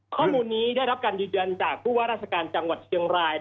ข้อมูลนี้ได้รับการยืนยันจากผู้ว่าราชการจังหวัดเชียงราย